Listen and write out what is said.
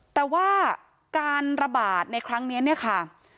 แต่ว่าการระบาดในครั้งนี้เนี่ยค่ะ